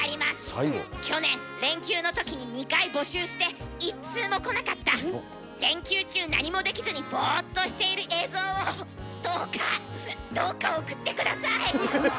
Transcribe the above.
去年連休のときに２回募集して１通も来なかった連休中何もできずにボーっとしている映像をどうかウッどうか送って下さい！